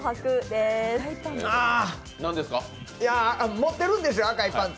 持ってるんですよ、赤いパンツ。